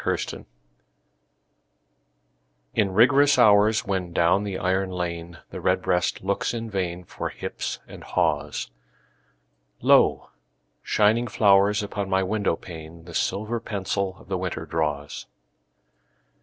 XVII—WINTER In rigorous hours, when down the iron lane The redbreast looks in vain For hips and haws, Lo, shining flowers upon my window pane The silver pencil of the winter draws.